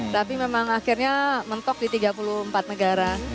tapi memang akhirnya mentok di tiga puluh empat negara